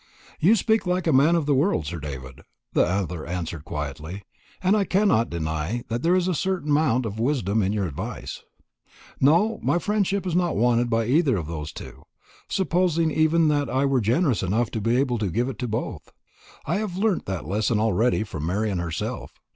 "You speak like a man of the world, Sir David," the other answered quietly; "and I cannot deny that there is a certain amount of wisdom in your advice. No, my friendship is not wanted by either of those two, supposing even that I were generous enough to be able to give it to both. I have learnt that lesson already from Marian herself.